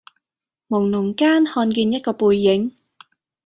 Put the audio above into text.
濛朧間看見一個背影